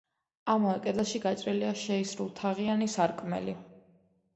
ამავე კედელში გაჭრილია შეისრულთაღიანი სარკმელი.